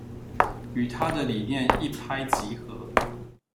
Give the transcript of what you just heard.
與她的理念一拍即合